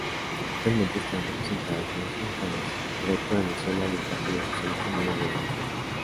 Actualmente están representadas dos bancadas: Proyecto Venezuela y el Partido Socialista Unido de Venezuela.